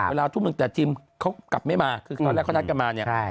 เวลาทุกคนแต่ทิมเขากลับไม่มาคือตอนแรกเขานัดกลับมา